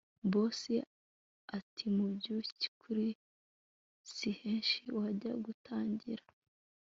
Boss atimubyukuri si henshi wajya gutangira